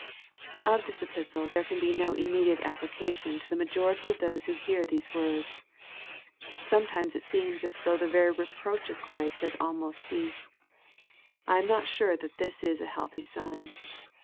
Of this epistle there can be no immediate application to the majority of those who hear these words. Sometimes it seems as though the very reproach of Christ has almost ceased. I am not sure that this is a healthy sign.